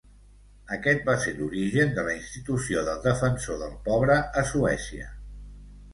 Aquest va ser l'origen de la institució del defensor del pobre a Suècia.